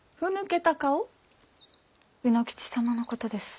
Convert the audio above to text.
卯之吉様のことです。